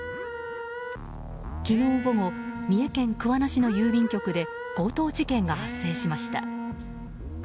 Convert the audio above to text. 昨日午後三重県桑名市の郵便局で強盗事件が発生しました。